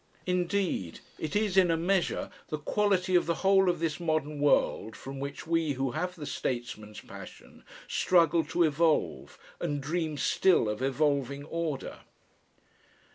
Indeed it is in a measure the quality of the whole of this modern world from which we who have the statesman's passion struggle to evolve, and dream still of evolving order.